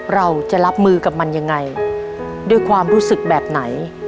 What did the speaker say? เราจะรับมือกับมันยังไงด้วยความรู้สึกแบบไหน